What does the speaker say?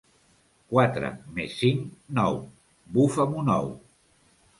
Quatre més cinc, nou, bufa'm un ou.